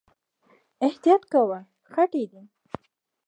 احتياط کوه، خټې دي